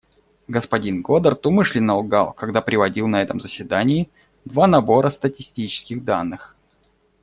Господин Годард умышленно лгал, когда приводил на этом заседании два набора статистических данных.